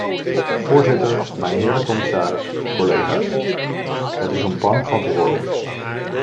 Voorzitter, mijnheer de commissaris, collega's, het is om bang van te worden.